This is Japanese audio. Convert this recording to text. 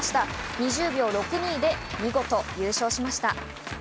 ２０秒６２で見事優勝しました。